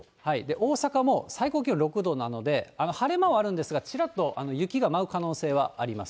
大阪も最高気温６度なので、晴れ間はあるんですが、ちらっと雪が舞う可能性はあります。